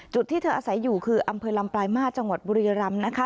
ที่เธออาศัยอยู่คืออำเภอลำปลายมาตรจังหวัดบุรียรำนะคะ